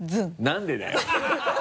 なんでだよ。